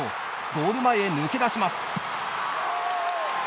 ゴール前へ抜け出します。